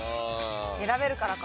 選べるからか。